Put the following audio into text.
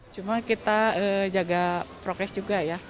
cuma kita jaga prokes juga ya